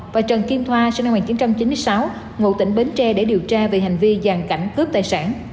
và trần kim thoa sinh năm một nghìn chín trăm chín mươi sáu ngụ tỉnh bến tre để điều tra về hành vi giàn cảnh cướp tài sản